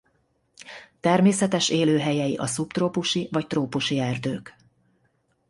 Természetes élőhelyei a szubtrópusi vagy trópusi erdők.